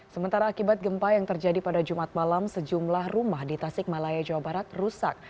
sementara akibat gempa yang terjadi pada jumat malam sejumlah rumah di tasik malaya jawa barat rusak